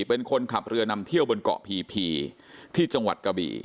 เป็นคนขับเรือนำเที่ยวบนเกาะพีพีที่จังหวัดกะบี่